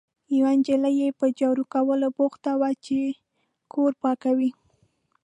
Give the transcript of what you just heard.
یوه نجلۍ یې په جارو کولو بوخته وه، چې کور پاکوي.